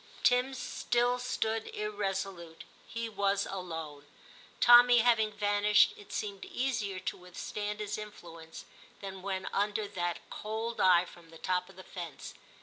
Tim still stood irresolute : he was alone. Tommy having vanished, it seemed easier to withstand his influence than when under that cold eye from the top of the fence.